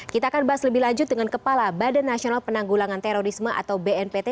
kita akan bahas lebih lanjut dengan kepala badan nasional penanggulangan terorisme atau bnpt